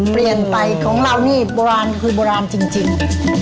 เปลี่ยนไปของเรานี่โบราณคือโบราณจริง